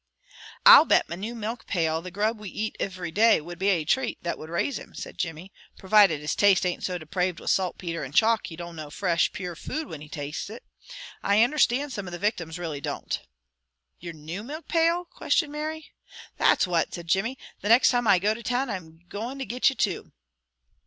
"I'll bet my new milk pail the grub we eat ivery day would be a trate that would raise him," said Jimmy. "Provided his taste ain't so depraved with saltpeter and chalk he don't know fresh, pure food whin he tastes it. I understand some of the victims really don't." "Your new milk pail?" questioned Mary. "That's what!" said Jimmy. "The next time I go to town I'm goin' to get you two."